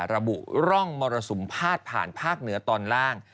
ระบุร่องมรสุมพาดผ่านภาคเหนือตอนล่าง